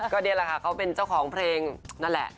ก็นี่แหละค่ะเขาเป็นเจ้าของเพลงนั่นแหละ